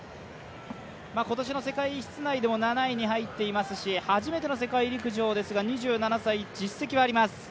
今年の世界室内でも７位に入っていますし初めての世界陸上ですが２７歳、実績はあります。